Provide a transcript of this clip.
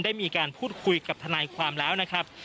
ได้มีการพูดคุยกับทนายความแล้วนะครับ